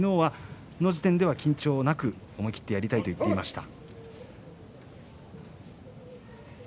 昨日の時点では緊張はなく思い切ってやりたいと言っていました。